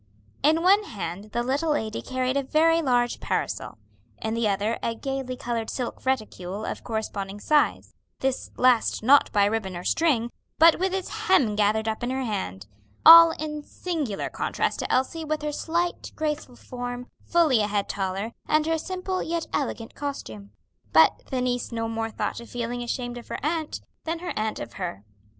In one hand the little lady carried a very large parasol, in the other a gayly colored silk reticule of corresponding size, this last not by a ribbon or string, but with its hem gathered up in her hand. All in singular contrast to Elsie with her slight, graceful form, fully a head taller, and her simple yet elegant costume. But the niece no more thought of feeling ashamed of her aunt, than her aunt of her.